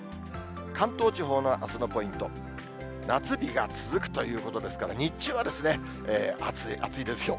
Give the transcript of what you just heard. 関東地方のあすのポイント、夏日が続くということですから、日中は暑いですよ。